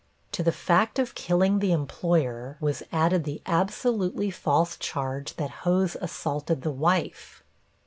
To the fact of killing the employer was added the absolutely false charge that Hose assaulted the wife.